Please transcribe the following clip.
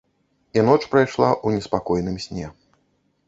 І ноч прайшла ў неспакойным сне.